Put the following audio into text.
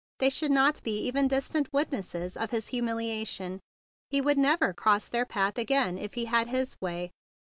They should not be even distant witnesses of his humiliation. He would never cross their path again if he had his way.